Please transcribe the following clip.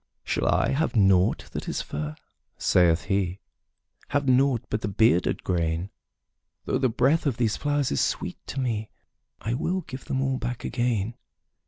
``Shall I have nought that is fair?'' saith he; ``Have nought but the bearded grain? Though the breath of these flowers is sweet to me, I will give them all back again.''